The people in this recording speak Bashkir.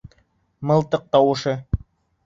Мылтыҡ тауышы.